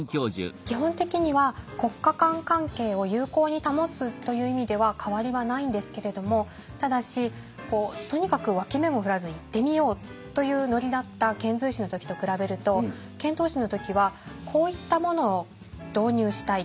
基本的には国家間関係を友好に保つという意味では変わりはないんですけれどもただしこうとにかく脇目も振らず行ってみようというノリだった遣隋使の時と比べると遣唐使の時はこういったものを導入したい。